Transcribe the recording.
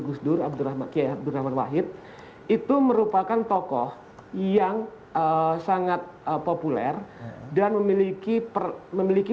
gus dur abdul rahmat ya beramal wahid itu merupakan tokoh yang sangat populer dan memiliki per memiliki